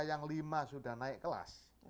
yang lima sudah naik kelas